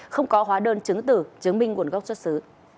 không có hóa đơn chứng tử chứng minh nguồn gốc xuất xứ